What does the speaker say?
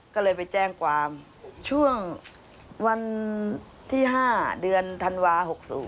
ก็เลยไปแจ้งความช่วงวันที่๕เดือนธันวา๖๐